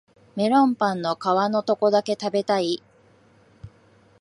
メロンパンの皮のとこだけ食べたい